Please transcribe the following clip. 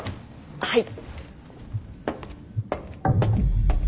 はい。